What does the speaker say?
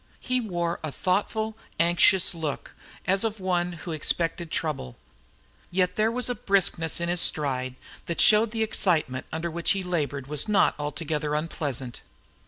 He wore a thoughtful, anxious look, as of one who expected trouble. Yet there was a briskness in his stride that showed the excitement under which he labored was not altogether unpleasant.